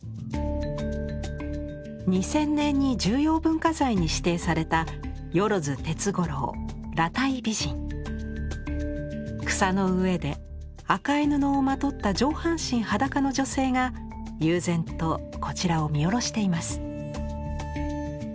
２０００年に重要文化財に指定された草の上で赤い布をまとった上半身裸の女性が悠然とこちらを見下ろしています。